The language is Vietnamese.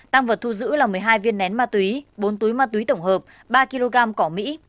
tăng vật thu giữ là một mươi hai viên nén ma túy bốn túi ma túy tổng hợp ba kg cỏ mỹ